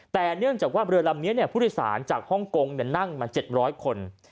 แต่เนื่องจากว่าเรือลำนี้ผู้โดยสารจากฮ่องกงนั่งมา๗๐๐คน